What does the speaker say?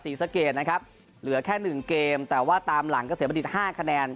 สี่สะเกนนะครับเหลือแค่หนึ่งเกมแต่ว่าตามหลังก็เสียบดิดห้าคะแนน